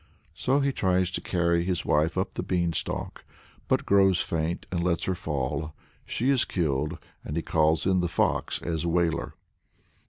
'" So he tries to carry his wife up the bean stalk, but grows faint and lets her fall; she is killed, and he calls in the Fox as Wailer.